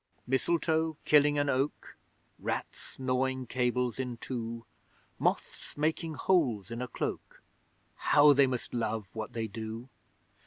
Mistletoe killing an oak Rats gnawing cables in two Moths making holes in a cloak How they must love what they do!